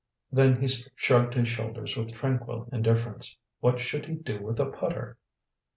Then he shrugged his shoulders with tranquil indifference. What should he do with a putter?